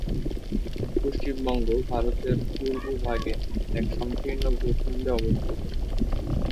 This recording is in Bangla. পশ্চিমবঙ্গ ভারতের পূর্বভাগে এক সংকীর্ণ ভূখণ্ডে অবস্থিত।